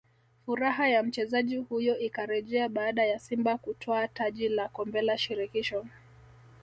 furaha ya mchezaji huyo ikarejea baada ya Simba kutwaa taji la Kombela Shirikisho